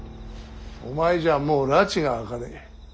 お前じゃもうらちが明かねえ。